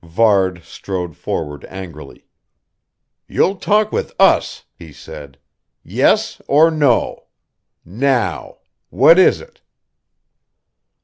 Varde strode forward angrily. "You'll talk with us," he said. "Yes or no. Now. What is it?"